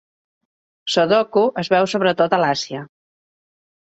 Sodoku es veu sobretot a l'Àsia.